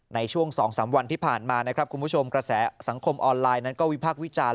ในช่วง๒๓วันที่ผ่านมานะครับคุณผู้ชมกระแสสังคมออนไลน์นั้นก็วิพากษ์วิจารณ์